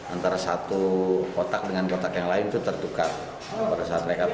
antara satu kotak dengan kotak yang lain itu tertukar pada saat mereka